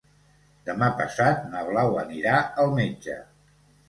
Demà passat na Blau anirà al metge.